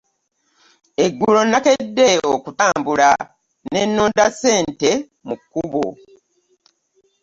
Eggulo nakedde okutambula ne nonda ssente mu kubo.